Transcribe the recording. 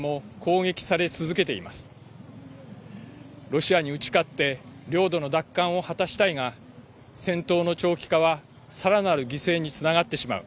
ロシアに打ち勝って領土の奪還を果たしたいが戦闘の長期化はさらなる犠牲につながってしまう。